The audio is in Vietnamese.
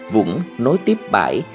vũng nối tiếp bãi